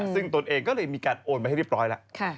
ซึ่งตนเองก็เลยมีการโอนไปให้เรียบร้อยแล้ว